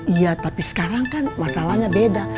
iya tapi sekarang kan masalahnya beda